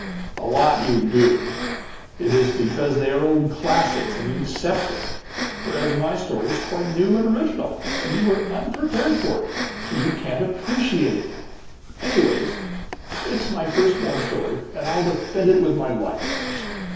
"A lot you do. It is because they are old classics, and you accept them, whereas my story is quite new and original and you were unprepared for it, and so you can't appreciate it. Anyway, it's my first born story, and I'll defend it with my life."